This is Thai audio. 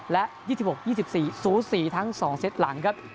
และ๒๖๒๔๐๔ทั้ง๒เซตหลังครับ